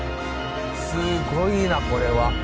すごいなこれは。